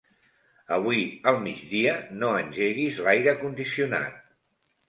Avui al migdia no engeguis l'aire condicionat.